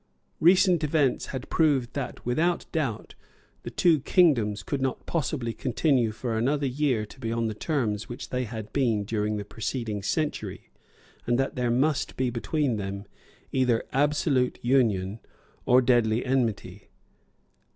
Recent events had proved that, without doubt, the two kingdoms could not possibly continue for another year to be on the terms on which they had been during the preceding century, and that there must be between them either absolute union or deadly enmity.